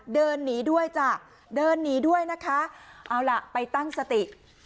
เดินหนีด้วยจ้ะเดินหนีด้วยนะคะเอาล่ะไปตั้งสติ